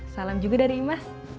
salam juga dari imas